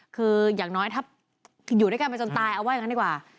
คืออย่างน้อยถ้าอยู่ด้วยกันไปจนตายเอาว่าอย่างนั้นดีกว่า